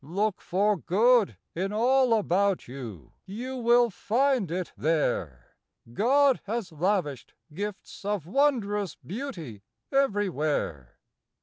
Look for good in all about you you will find it there. God has lavished gifts of wondrous beauty everywhere.